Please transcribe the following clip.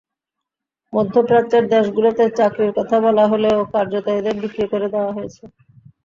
মধ্যপ্রাচ্যের দেশগুলোতে চাকরির কথা বলা হলেও কার্যত এঁদের বিক্রি করে দেওয়া হয়েছে।